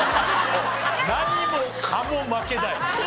何もかも負けだよ。